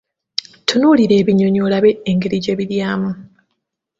Tunuulira ebinnyonyi olabe engeri gye biryamu.